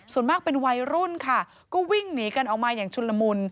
ส่วนมากเป็นวัยรุ่นค่ะก็วิ่งหนีกันออกมาอย่างชุนละมุน